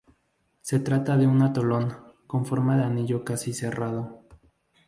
Se trata de un atolón con forma de anillo casi cerrado.